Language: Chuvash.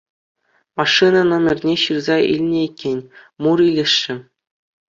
Машина номерне ҫырса илнӗ иккен, мур илесшӗ.